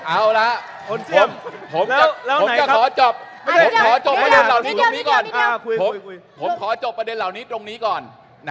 เอาล่ะผมจะขอจบประเด็นเหล่านี้ตรงนี้ก่อน